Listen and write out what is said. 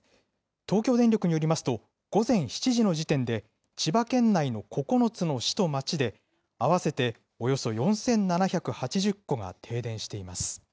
東京電力によりますと、午前７時の時点で、千葉県内の９つの市と町で、合わせておよそ４７８０戸が停電しています。